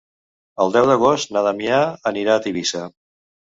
El deu d'agost na Damià anirà a Tivissa.